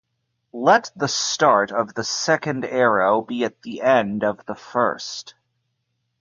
Let the start of the second arrow be at the end of the first.